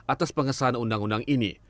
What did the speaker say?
atas pengesahan undang undang ini